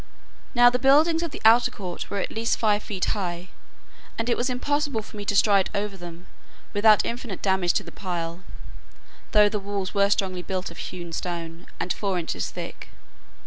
Now the buildings of the outer court were at least five feet high, and it was impossible for me to stride over them without infinite damage to the pile, though the walls were strongly built of hewn stone, and four inches thick.